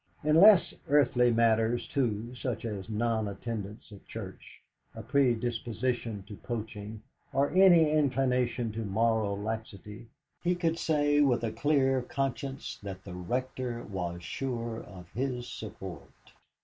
In less earthly matters, too, such as non attendance at church, a predisposition to poaching, or any inclination to moral laxity, he could say with a clear conscience that the Rector was sure of his support.